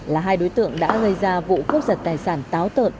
là hai đối tượng đã gây ra vụ cướp giật tài sản táo tợn